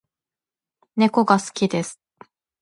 猫が好きです